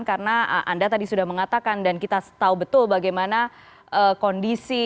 karena anda tadi sudah mengatakan dan kita tahu betul bagaimana kondisi korban